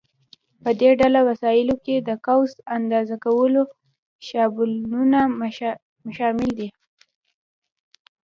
په دې ډله وسایلو کې د قوس اندازه کولو شابلونونه شامل نه دي.